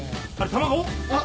卵！